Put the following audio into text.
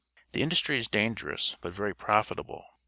The industry is dangerous, but very profitable.